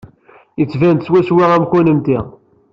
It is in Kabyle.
Yettban-d swaswa am kennemti.